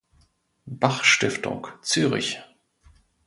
Bach-Stiftung, Zürich.